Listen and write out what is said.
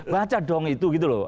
baca dong itu gitu loh